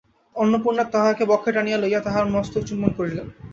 অন্নপূর্ণা তাহাকে বক্ষে টানিয়া লইয়া তাহার মস্তকচুম্বন করিলেন।